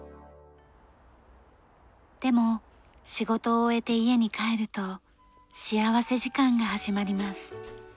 でも仕事を終えて家に帰ると幸福時間が始まります。